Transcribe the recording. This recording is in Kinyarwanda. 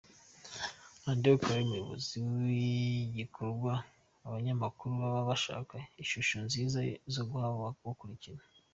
Andrew Kareba uyoboye iki gikorwaAbanyamakuru baba bashaka ishusho nziza zo guha ababakurikira.